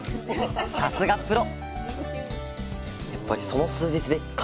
さすがプロ！